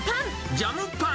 ジャムパン。